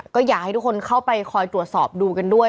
ก็อยากให้ทุกคนเข้าไปคอยตรวจสอบดูกันด้วย